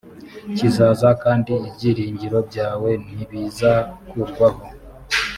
kizaza j kandi ibyiringiro byawe ntibizakurwaho